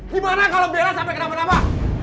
gimana kalau bella sampai kenapa napa